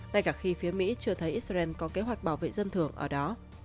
ngay cả khi phía mỹ chưa thấy israel có kế hoạch bảo vệ dân thường ở đó